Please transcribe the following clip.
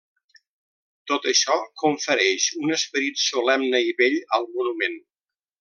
Tot això confereix un esperit solemne i bell al monument.